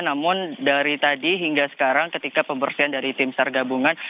namun dari tadi hingga sekarang ketika pembersihan dari tim sargabungan